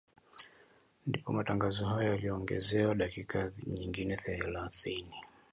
ndipo matangazo hayo yaliongezewa dakika nyingine thelathini